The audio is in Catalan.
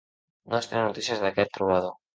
No es tenen notícies d'aquest trobador.